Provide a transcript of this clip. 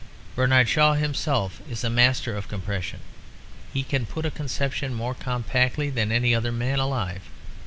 Bernard Shaw himself is a master of compression; he can put a conception more compactly than any other man alive.